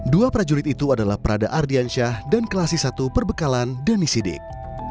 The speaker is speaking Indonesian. dua prajurit itu adalah prada ardiansyah dan kelasis satu perbekalan dani sidik